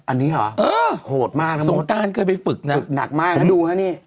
อันนี้เหรอโหดมากทั้งหมดฝึกหนักมากนะดูนะนี่สงการเคยไปฝึก